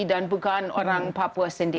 dan bukan orang papua sendiri